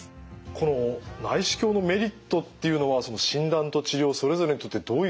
この内視鏡のメリットっていうのは診断と治療それぞれにとってどういうところが挙げられますか？